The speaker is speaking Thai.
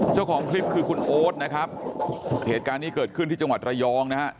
เจ้าของคลิปคือคุณโอ๊ตนะครับเหตุการณ์นี้เกิดขึ้นที่จังหวัดระยองนะฮะ